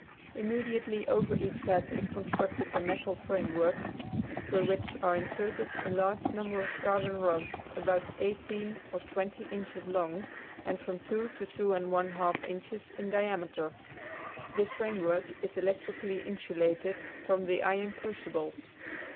Immediately over each vat is constructed a metal framework, through which are inserted a large number of carbon rods about eighteen or twenty inches long and from two to two and one half inches in diameter. This framework is electrically insulated from the iron crucibles.